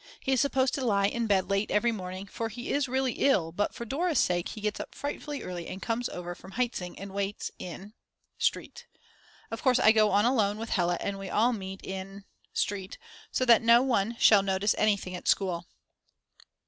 He is supposed to lie in bed late every morning, for he is really ill but for Dora's sake he gets up frightfully early and comes over from Heitzing and waits in Street. Of course I go on alone with Hella and we all meet In Street, so that no one shall notice anything at school.